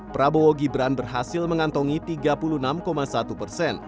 prabowo gibran berhasil mengantongi tiga puluh enam satu persen